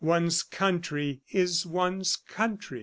One's country ... is one's country.